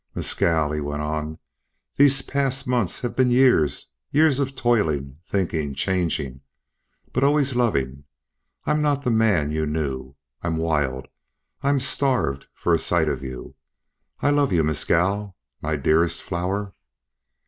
"Mescal," he went on, "these past months have been years, years of toiling, thinking, changing, but always loving. I'm not the man you knew. I'm wild I'm starved for a sight of you. I love you! Mescal, my desert flower!"